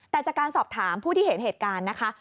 แต่จากการสอบถามผู้ที่เห็นเหตุการณ์นะคะ